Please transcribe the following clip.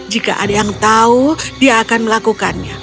jika ada yang tahu dia akan melakukannya